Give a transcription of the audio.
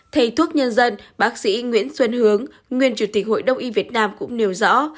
thầy thuốc nhân dân bác sĩ nguyễn xuân hướng nguyên chủ tịch hội đồng y việt nam cũng nêu rõ